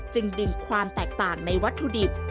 จึงดึงความแตกต่างในวัตถุดิบ